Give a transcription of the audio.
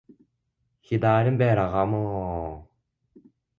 He died in Bergamo.